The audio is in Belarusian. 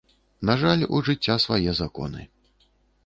На жаль, у жыцця свае законы.